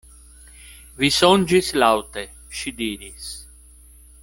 Vi sonĝis laŭte, ŝi diris.